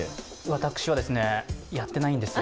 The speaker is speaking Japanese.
私はですね、やってないんです。